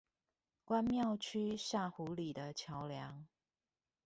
關廟區下湖里的橋梁